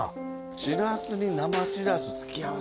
しらすに生しらす。